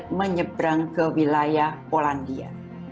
dan kemudian menyebrang ke wilayah polandia